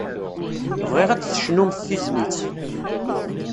Bɣiɣ ad d-tecnumt tizlit.